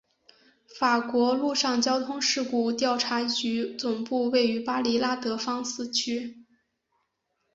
法国陆上交通事故调查局总部位于巴黎拉德芳斯区。